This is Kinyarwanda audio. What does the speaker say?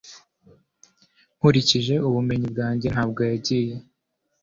nkurikije ubumenyi bwanjye, ntabwo yagiye